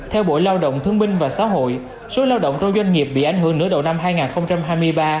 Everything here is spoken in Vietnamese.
theo bộ lao động thương binh và xã hội số lao động trong doanh nghiệp bị ảnh hưởng nửa đầu năm hai nghìn hai mươi ba